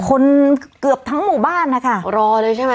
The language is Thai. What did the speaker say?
เกือบทั้งหมู่บ้านนะคะรอเลยใช่ไหม